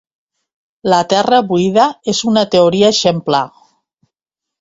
La terra buida és una teoria exemplar.